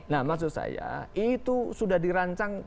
nah maksud saya itu sudah dirancang